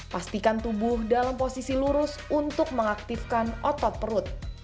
pastikan tubuh dalam posisi lurus untuk mengaktifkan otot perut